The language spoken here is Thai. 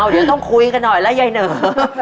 เดี๋ยวต้องคุยกันหน่อยแล้วยายเหนอ